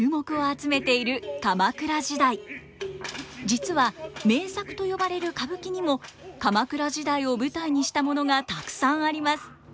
実は名作と呼ばれる歌舞伎にも鎌倉時代を舞台にしたものがたくさんあります。